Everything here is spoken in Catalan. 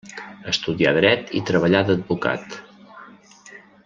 Estudià dret i treballà d'advocat.